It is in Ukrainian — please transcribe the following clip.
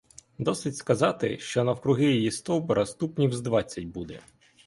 Досить сказати, що навкруги її стовбура ступнів з двадцять буде.